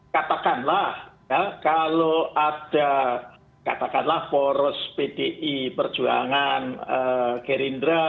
katakanlah ya kalau ada katakanlah foros pdi perjuangan gerindra